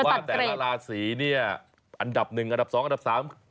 ว่าแต่ละราศีเนี่ยอันดับหนึ่งอันดับสองอันดับสาม